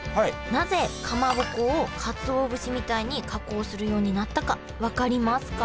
なぜかまぼこをかつお節みたいに加工するようになったか分かりますか？